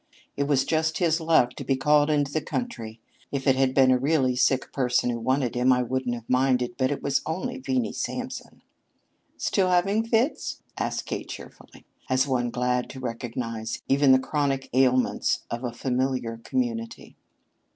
"It was just his luck to be called into the country. If it had been a really sick person who wanted him, I wouldn't have minded, but it was only Venie Sampson." "Still having fits?" asked Kate cheerfully, as one glad to recognize even the chronic ailments of a familiar community.